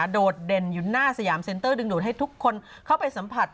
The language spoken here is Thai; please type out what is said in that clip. โดดเด่นอยู่หน้าสยามเซ็นเตอร์ดึงดูดให้ทุกคนเข้าไปสัมผัส